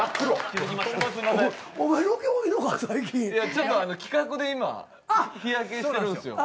いやちょっと企画で今日焼けしてるんすよ。